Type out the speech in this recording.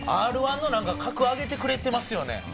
Ｒ−１のなんか格上げてくれてますよね。